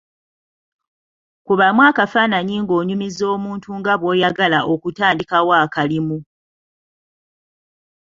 Kubamu akafaananyi ng’onyumiza omuntu nga bw’oyagala okutandikawo akalimu.